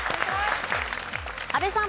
阿部さん。